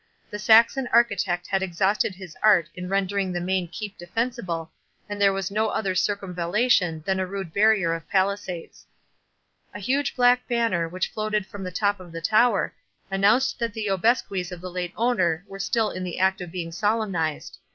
The Saxon architect had exhausted his art in rendering the main keep defensible, and there was no other circumvallation than a rude barrier of palisades. A huge black banner, which floated from the top of the tower, announced that the obsequies of the late owner were still in the act of being solemnized.